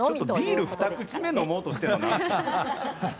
ビール２口目飲もうとしてるの、なんすか。